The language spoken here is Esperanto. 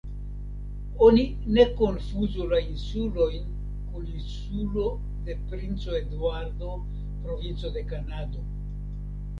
Oni ne konfuzu la insulojn kun Insulo de Princo Eduardo, provinco de Kanado.